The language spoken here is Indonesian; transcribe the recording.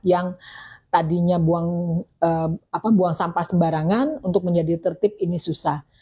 yang tadinya buang sampah sembarangan untuk menjadi tertib ini susah